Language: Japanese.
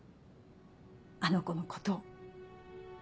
あの子のことを。